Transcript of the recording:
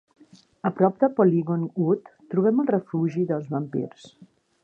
A prop de Polygon Wood, trobem el refugi dels vampirs.